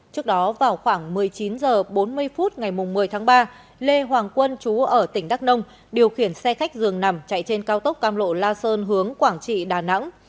trước đó vào khoảng một mươi chín h bốn mươi phút ngày một mươi tháng ba lê hoàng quân chú ở tỉnh đắk nông điều khiển xe khách dường nằm chạy trên cao tốc cam lộ la sơn hướng quảng trị đà nẵng